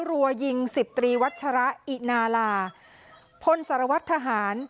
รัวยิงสิบตรีวัชระอินาลาพลสารวัตรทหาร